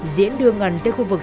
diễn đưa ngân tới khu vực